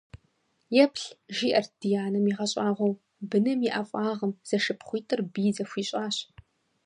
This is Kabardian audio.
- Еплъ, - жиӀэрт ди анэм игъэщӀагъуэу, - быным и ӀэфӀагъым зэшыпхъуитӀыр бий зэхуищӀащ.